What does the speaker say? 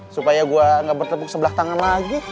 supaya gue gak bertepuk sebelah tangan lagi